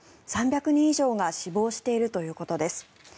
３００人以上が死亡しているということです。